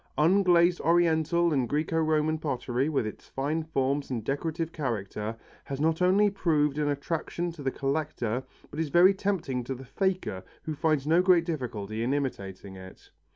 Unglazed Oriental and Græco Roman pottery, with its fine forms and decorative character, has not only proved an attraction to the collector but very tempting to the faker who finds no great difficulty in imitating it.